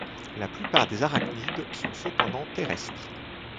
La plupart des arachnides sont cependant terrestres.